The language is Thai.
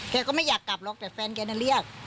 ก็ไม่อยากกลับหรอกแต่แฟนแกน่ะเรียก